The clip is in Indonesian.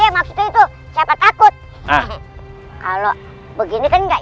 maksudnya itu cepet takut kalau begini kan nggak